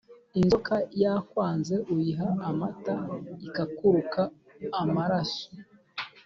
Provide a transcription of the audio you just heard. Inzoka yakwanze uyiha amata ikaruka amaraso.